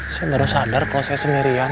saya baru sadar kalau saya sendirian